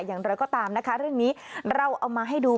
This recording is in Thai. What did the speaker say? อย่างนั้นเราก็ตามเรื่องนี้เราเอามาให้ดู